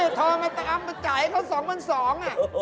นี่ทองไม่ต้องเอามาจ่ายเขา๒เป็น๒น่ะ